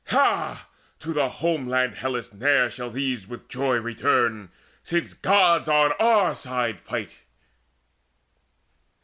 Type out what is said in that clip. Ha! to the home land Hellas ne'er shall these With joy return, since Gods on our side fight."